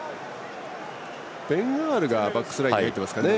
ベン・アールがバックスラインに入っていますかね。